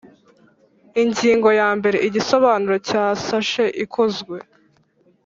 Ingingo ya mbere Igisobanuro cya sashe ikozwe